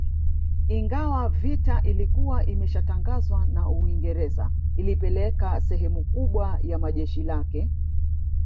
Ingawa vita ilikuwa imeshatangazwa na Uingereza ilipeleka sehemu kubwa ya jeshi lake